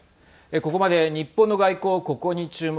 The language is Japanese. ここまで日本の外交ここに注目。